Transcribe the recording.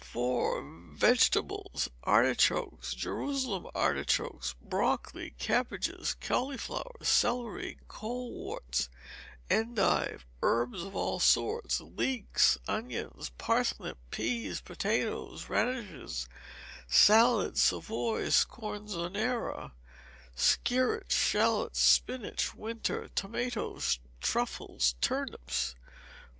iv. Vegetables. Artichokes, Jerusalem artichokes, broccoli, cabbages, cauliflowers, celery, coleworts, endive, herbs of all sorts, leeks, onions, parsnips, peas, potatoes, radishes, salad, Savoys, scorzonera, skirrets, shalots, spinach (winter), tomatoes, truffles, turnips.